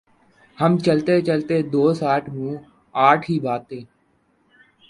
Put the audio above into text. ہم چلتے چلتے دوسآٹھ منہ آٹھ ہی باتیں